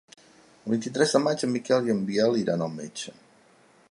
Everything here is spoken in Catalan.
El vint-i-tres de maig en Miquel i en Biel iran al metge.